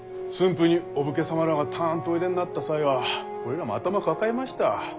府にお武家様らがたんとおいでになった際は俺らも頭抱えました。